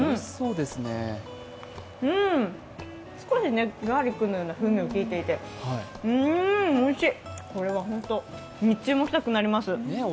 少しガーリックのような風味がきいていてうん、おいしい！